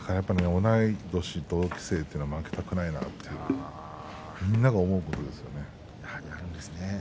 同い年、同期生には負けたくないなとみんなが思うことなんです。